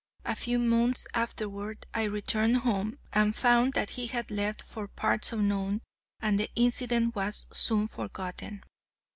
A few months afterward I returned home, and found that he had left for parts unknown, and the incident was soon forgotten.